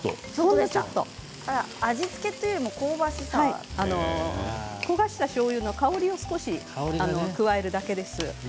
味付けというよりも焦がしたしょうゆの香りを加えるだけです。